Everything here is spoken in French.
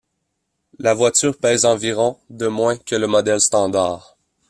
La voiture pèse environ de moins que le modèle standard.